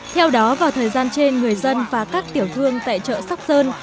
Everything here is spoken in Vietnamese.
theo đó vào thời gian trên người dân và các tiểu thương tại chợ sóc sơn